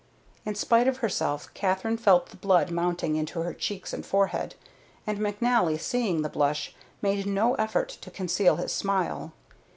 In spite of herself Katherine felt the blood mounting into her cheeks and forehead, and McNally, seeing the blush, made no effort to conceal his smile.